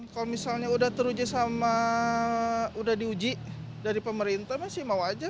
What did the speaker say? kalau misalnya udah teruji sama udah diuji dari pemerintah masih mau aja